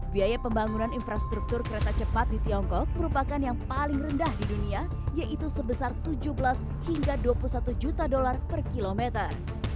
biaya pembangunan infrastruktur kereta cepat di tiongkok merupakan yang paling rendah di dunia yaitu sebesar tujuh belas hingga dua puluh satu juta dolar per kilometer